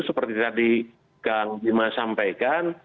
seperti tadi kang bima sampaikan